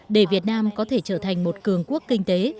để việt nam có thể trở thành một cường quốc kinh tế